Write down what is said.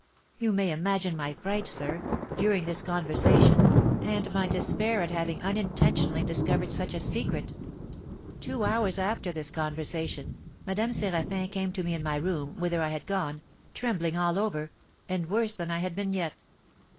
You may imagine my fright, sir, during this conversation, and my despair at having unintentionally discovered such a secret. Two hours after this conversation, Madame Séraphin came to me in my room, whither I had gone, trembling all over, and worse than I had been yet.